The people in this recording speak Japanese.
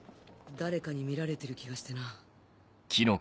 誰かに見られてる気がしてな。